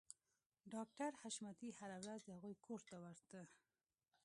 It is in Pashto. ډاکټر حشمتي هره ورځ د هغوی کور ته ورته